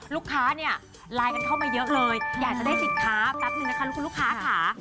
ลูกค้าเนี่ยไลน์กันเข้ามาเยอะเลยอยากจะได้สินค้าแป๊บนึงนะคะลูกคุณลูกค้าค่ะ